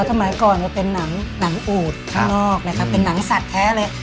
สมัยก่อนเป็นหนังปูดข้างนอกนะครับเป็นหนังสัตว์แท้เลย